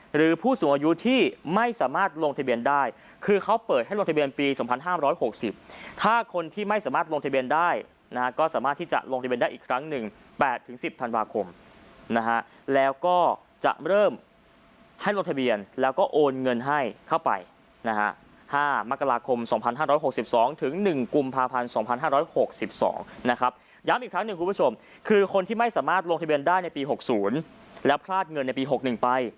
หรือผู้สูงอายุที่ไม่สามารถลงทะเบียนได้คือเขาเปิดให้ลงทะเบียนปี๒๕๖๐ถ้าคนที่ไม่สามารถลงทะเบียนได้นะก็สามารถที่จะลงทะเบียนได้อีกครั้งหนึ่ง๘ถึง๑๐ธันวาคมนะฮะแล้วก็จะเริ่มให้ลงทะเบียนแล้วก็โอนเงินให้เข้าไปนะฮะ๕มกราคม๒๕๖๒ถึง๑กลุ่มภาพันธ์๒๕๖๒นะครับย้ำอีกครั้งหนึ่งค